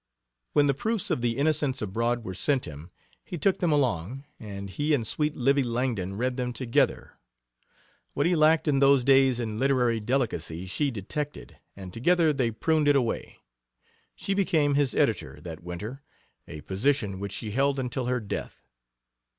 When the proofs of the Innocents Abroad were sent him he took them along, and he and sweet "Livy" Langdon read them together. What he lacked in those days in literary delicacy she detected, and together they pruned it away. She became his editor that winter a position which she held until her death.